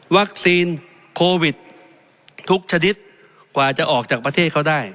โควิดทุกชนิดกว่าจะออกจากประเทศเขาได้